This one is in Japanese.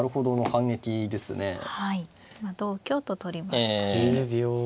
今同香と取りました。